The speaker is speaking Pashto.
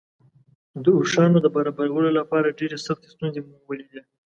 د اوښانو د برابرولو لپاره ډېرې سختې ستونزې مو ولیدې.